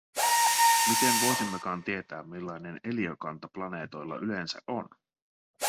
Miten voisimmekaan tietää, millainen eliökanta planeetoilla yleensä on?